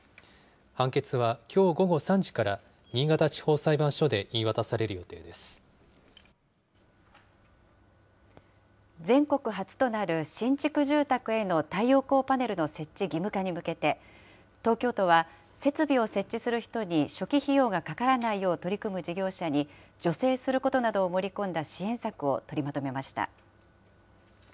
判決はきょう午後３時から、新潟地方裁判所で言い渡される予定で全国初となる新築住宅への太陽光パネルの設置義務化に向けて、東京都は、設備を設置する人に初期費用がかからないよう取り組む事業者に助成することなどを盛り込んだ支援策を取りまとめました。